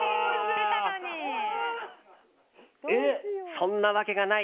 そんなわけがない。